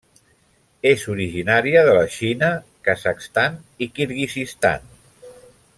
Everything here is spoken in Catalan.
És originària de la Xina, Kazakhstan, i Kirguizistan.